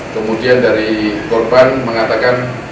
kemudian dari korban mengatakan